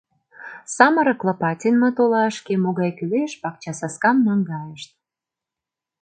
Самырык Лопатинмыт олашке, могай кӱлеш, пакчасаскам наҥгайышт.